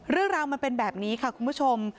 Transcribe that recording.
เรื่องราวมันเป็นแบบนี้ค่ะคุณผู้ชม